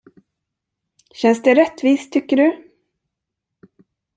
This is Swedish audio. Känns det rättvist, tycker du?